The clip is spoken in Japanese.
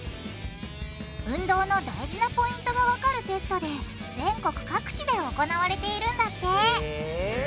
運動の大事なポイントがわかるテストで全国各地で行われているんだってへぇ。